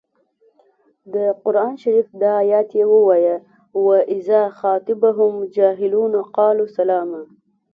د قران شریف دا ایت یې ووايه و اذا خاطبهم الجاهلون قالو سلاما.